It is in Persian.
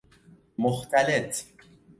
مختلط